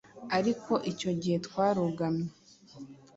ariko icyo gihe twarugamye